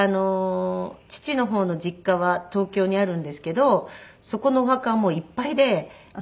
父の方の実家は東京にあるんですけどそこのお墓はもういっぱいで父が入れるスペースが。